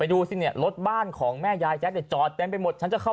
ถูกต้องไหม